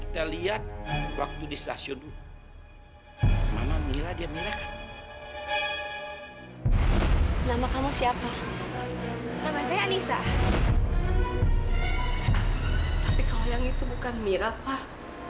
tapi kalau yang itu bukan mira pak